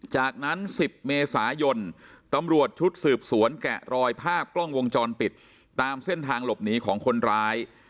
จากนั้น๑๐เมษายนตำรวจชุดสืบสวนแกะรอยภาพกล้องวงจรปิดตามเส้นทางหลบหนีของคนร้าย